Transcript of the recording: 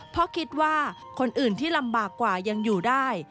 เพราะคิดว่าคนอื่นที่ลำบากกว่ายังอยู่ได้